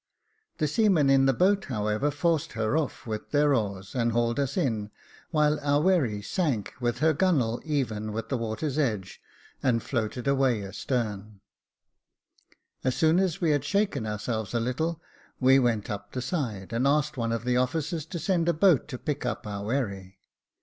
The seamen in the boat, however, forced her oiF with their oars, and hauled us in, while our wherry sank with her gunwale even with the water's edge, and floated away astern. As soor. as we had shaken ourselves a little, we went up the side, and asked one of the officers to send a boat to pick up our wherry.